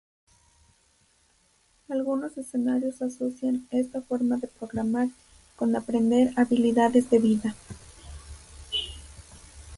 Algunos escenarios asocian "esta forma de programar" con aprender "habilidades de vida".